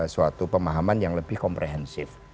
suatu pemahaman yang lebih komprehensif